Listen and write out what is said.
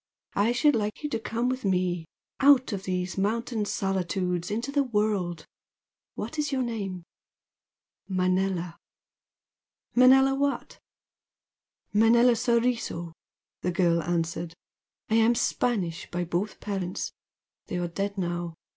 I should like you to come with me out of these mountain solitudes into the world! What is your name?" "Manella." "Manella what?" "Manella Soriso" the girl answered "I am Spanish by both parents, they are dead now.